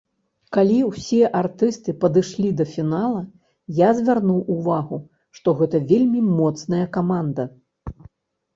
Калі ўсе артысты падышлі да фінала, я звярнуў увагу, што гэта вельмі моцная каманда.